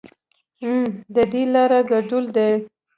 اووم ددې لارو ګډول دي.